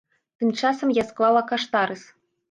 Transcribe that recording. Тым часам я склала каштарыс.